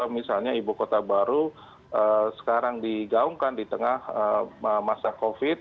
misalnya ibu kota baru sekarang digaungkan di tengah masa covid